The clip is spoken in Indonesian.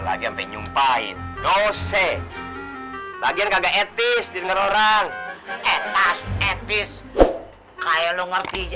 lagi nyumpain dosa bagian kagak etis denger orang etas etis kayak lo ngerti